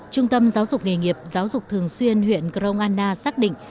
trung tâm giáo dục nghề nghiệp giáo dục thường xuyên huyện grongana xác định